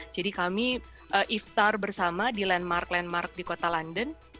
jadi kami iftar bersama di landmark landmark di kota london